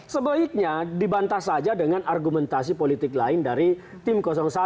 sebaiknya dibantah saja dengan argumentasi politik lain dari tim satu